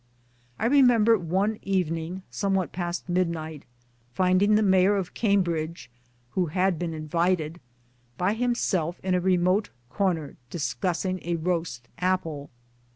I remember one evening, somewhat past midnight, finding the Mayor of Cam bridge (who had been invited) by himself in a remote corner discussing a roast apple.